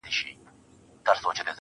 د برزخي ماحول واټن ته فکر وړی يمه